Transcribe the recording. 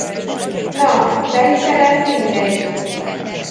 Na, de hiszen ez mindegy!